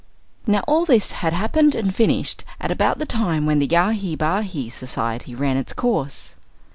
Now all this had happened and finished at about the time when the Yahi Bahi Society ran its course.